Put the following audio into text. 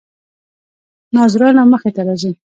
ناظرانو مخې ته راځي.